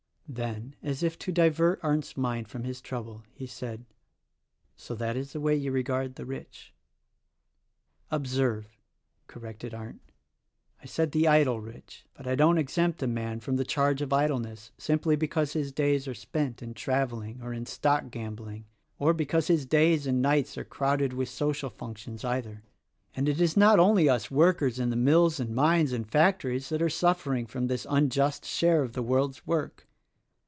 Then, as if to divert Arndt's mind from his trouble he said, "So that is the way you regard the rich?" "Observe," corrected Arndt, "I said the idle rich ; but I don't exempt a man from the charge of idleness simply because his days are spent in traveling or in stock gam bling or because his days and nights are crowded with social functions, either. "And it is not only us workers in the mills and mines and factories that are suffering from this unjust share of the world's work.